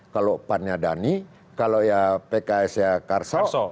kalau pannya dhani kalau ya pks ya karsas